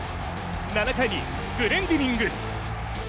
７回にグレンディニング。